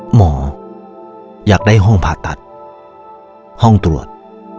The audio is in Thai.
หมออยากได้ห้องผ่าตัดห้องตรวจ